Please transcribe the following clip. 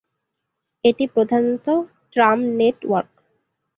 এটি প্রধানত tram net work.